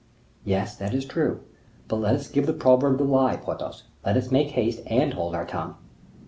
"Yes, that is true; but let us give the proverb the lie, Porthos; let us make haste, and hold our tongue."